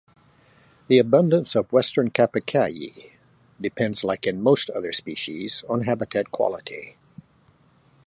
The abundance of western capercaillie depends-like in most other species-on habitat quality.